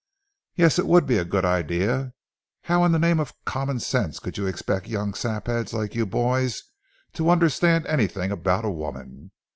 "Yes; it would be a good idea. How in the name of common sense could you expect young sap heads like you boys to understand anything about a woman?